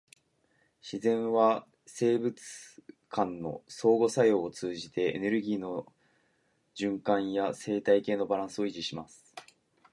自然は生物間の相互作用を通じて、エネルギーの循環や生態系のバランスを維持します。